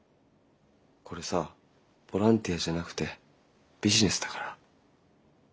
これさボランティアじゃなくてビジネスだから。